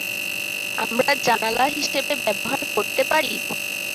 আমরা জানালা হিসেবে ব্যবহার করতে পারি?